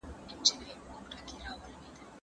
زه کولای سم ليکلي پاڼي ترتيب کړم!!